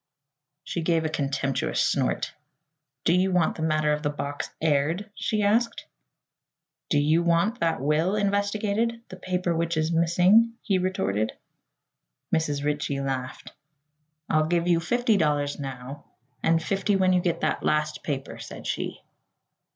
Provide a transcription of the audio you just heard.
She gave a contemptuous snort. "Do you want that matter of the box aired?" she asked. "Do you want that will investigated the paper which is missing?" he retorted. Mrs. Ritchie laughed. "I'll give you fifty dollars now, and fifty when you get that last paper," said she.